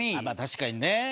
まあ確かにね。